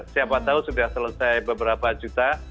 siapa tahu sudah selesai beberapa juta